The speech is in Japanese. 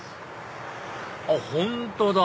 あっ本当だ！